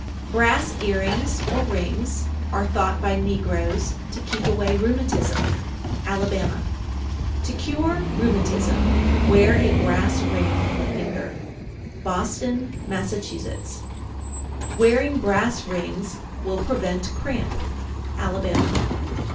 Brass earrings or rings are thought by negroes to keep away rheumatism. Alabama. 808. To cure rheumatism, wear a brass ring on the finger. Boston, Mass. 809. Wearing brass rings will prevent cramp. _Alabama.